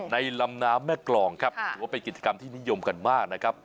ลำน้ำแม่กรองครับถือว่าเป็นกิจกรรมที่นิยมกันมากนะครับ